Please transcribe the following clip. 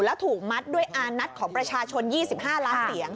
แล้วถูกมัดด้วยอานัทของประชาชน๒๕ล้านเสียง